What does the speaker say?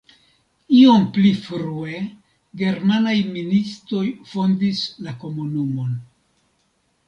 Iom pli frue germanaj ministoj fondis la komunumon.